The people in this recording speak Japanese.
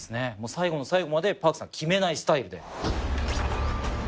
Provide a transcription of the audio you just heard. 最後の最後までＰａｒｋさん決めないスタイルで。